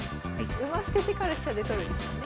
馬捨ててから飛車で取るんですかね。